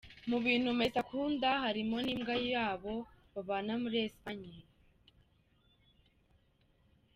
Mubintu Messi akunda kandi harimo n'imbwa yabo babana muri Espanye.